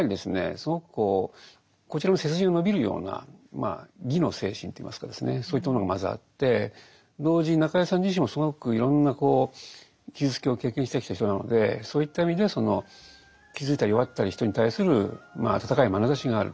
すごくこちらの背筋が伸びるような「義」の精神といいますかそういったものがまずあって同時に中井さん自身もすごくいろんな傷つきを経験してきた人なのでそういった意味でその傷ついたり弱った人に対する温かいまなざしがあると。